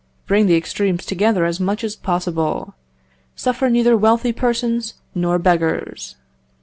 Bring the extremes together as much as possible. Suffer neither wealthy persons nor beggars.